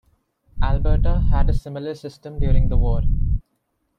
Alberta had a similar system during the war.